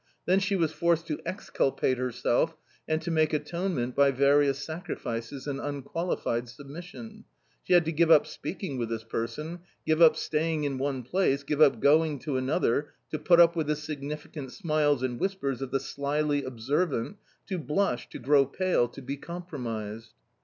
Then she was forced to exculpate herself and to make atonement by various sacrifices and unqualified submission; she had to give up speaking with this person, give up staying in one place, give up going to another, to put up with the signifi cant smiles and whispers of the slily observant, to blush, to grow pale, to be compromised.